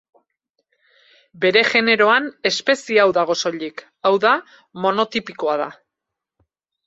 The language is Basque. Bere generoan, espezie hau dago soilik, hau da monotipikoa da.